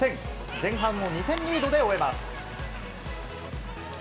前半を２点リードで終えます。